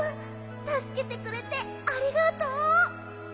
たすけてくれてありがとう！